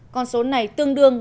con số này tương đương